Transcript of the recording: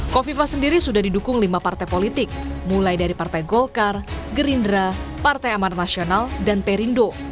kofifa sendiri sudah didukung lima partai politik mulai dari partai golkar gerindra partai amanat nasional dan perindo